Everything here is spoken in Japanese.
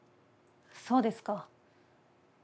そうですか。